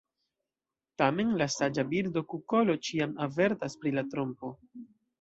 Tamen la saĝa birdo kukolo ĉiam avertas pri la trompo.